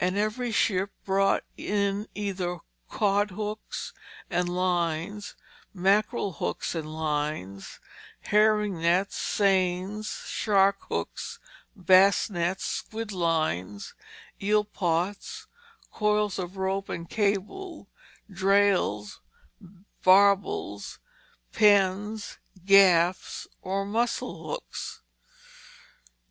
And every ship brought in either cod hooks and lines, mackerel hooks and lines, herring nets, seines, shark hooks, bass nets, squid lines, eel pots, coils of rope and cable, "drails, barbels, pens, gaffs," or mussel hooks.